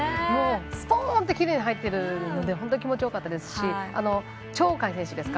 ストンときれいに入ってるので本当に気持ち良かったですし鳥海選手ですか。